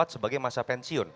sebagai masa pensiun